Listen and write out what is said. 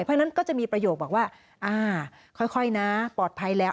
เพราะฉะนั้นก็จะมีประโยคบอกว่าอ่าค่อยนะปลอดภัยแล้ว